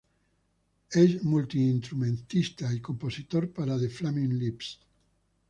Es multiinstrumentista y compositor para The Flaming Lips.